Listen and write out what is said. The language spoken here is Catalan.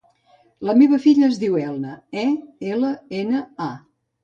La meva filla es diu Elna: e, ela, ena, a.